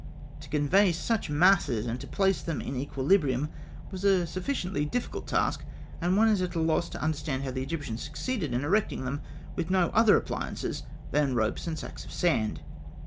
To convey such masses, and to place them in equilibrium, was a sufficiently difficult task, and one is at a loss to understand how the Egyptians succeeded in erecting them with no other appliances than ropes and sacks of sand.